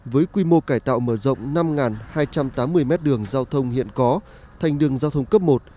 với quy mô cải tạo mở rộng năm hai trăm tám mươi mét đường giao thông hiện có thành đường giao thông cấp một